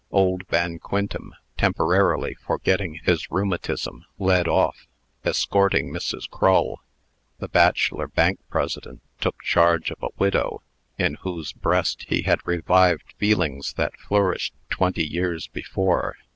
Old Van Quintem, temporarily forgetting his rheumatism, led off, escorting Mrs. Crull. The bachelor Bank President took charge of a widow, in whose breast he had revived feelings that flourished twenty years before.